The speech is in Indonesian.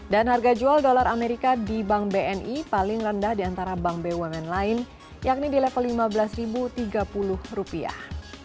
dan harga jual dolar amerika di bank bni paling rendah di antara bank bumn lain yakni di level lima belas tiga puluh rupiah